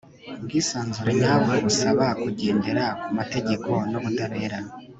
ubwisanzure nyabwo busaba kugendera ku mategeko n'ubutabera